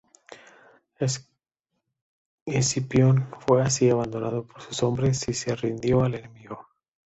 Escipión fue así abandonado por sus hombres y se rindió al enemigo.